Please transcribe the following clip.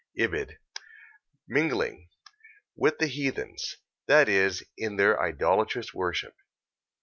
Ibid. Mingling... with the heathens; that is, in their idolatrous worship.